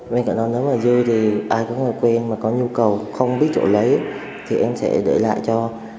bên cạnh đó nếu mà dư thì ai có người quen mà có nhu cầu không biết chỗ lấy thì em sẽ để lại cho